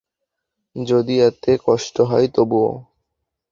যদি এতে কষ্ট হয়, তবুও?